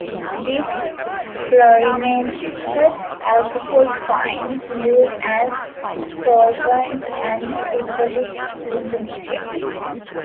This fluorinated alcohol finds use as solvent and synthetic intermediate.